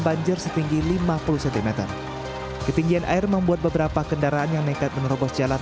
banjir setinggi lima puluh cm ketinggian air membuat beberapa kendaraan yang nekat menerobos jalan